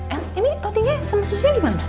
el ini rotinya sendirinya dimana